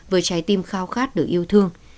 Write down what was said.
với trái tim khao khát được yêu thương